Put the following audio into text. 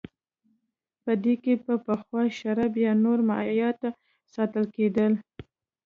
په دې کې به پخوا شراب یا نور مایعات ساتل کېدل